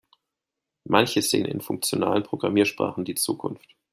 Manche sehen in funktionalen Programmiersprachen die Zukunft.